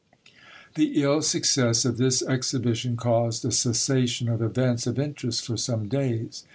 The ill success of this exhibition caused a cessation of events of interest for some days.